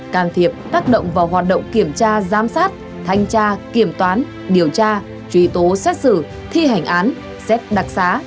can thiệp tác động vào hoạt động kiểm tra giám sát thanh tra kiểm toán điều tra truy tố xét xử thi hành án xét đặc xá